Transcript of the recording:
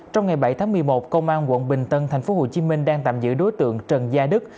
trong ngày bảy tháng một mươi một công an quận bình tân tp hcm đang tạm giữ đối tượng trần gia đức